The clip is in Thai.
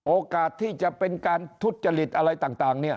โอกาสที่จะเป็นการทุจริตอะไรต่างเนี่ย